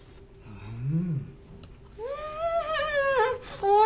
うん！